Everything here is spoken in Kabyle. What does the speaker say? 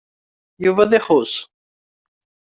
Yuba ad ixuṣ.